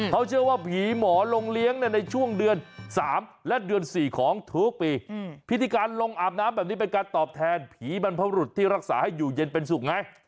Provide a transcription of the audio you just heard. เขาเชื่อว่าผีหมอลงเลี้ยงในช่วงเดือน๓และเดือน๔ของทุกปีพิธีการลงอาบน้ำแบบนี้เป็นการตอบแทนผีบรรพบรุษที่รักษาให้อยู่เย็นเป็นสุขไง